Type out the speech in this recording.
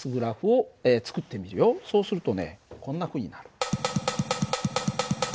そうするとねこんなふうになる。